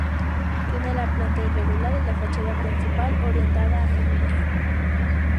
Tiene la planta irregular y la fachada principal orientada a mediodía.